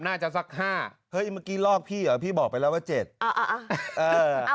สักห้าเฮ้ยเมื่อกี้ลอกพี่เหรอพี่บอกไปแล้วว่าเจ็ดอ่าเออ